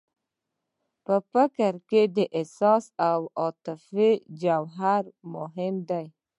په فکر کې د احساس او عاطفې جوهر مهم دی.